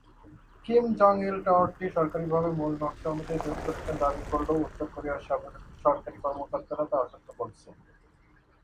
Kim Jong il টাওয়ারটি সরকারীভাবে মূল নকশা অনুযায়ী তৈরি করেছেন দাবি করলেও উত্তর কোরিয়ার সাবেক সরকারি কর্মকর্তারা তা অসত্য বলেছে।